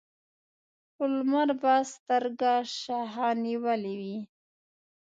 خو لمر به سترګه شخه نیولې وي.